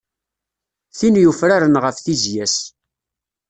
Tin yufraren ɣef tizya-s.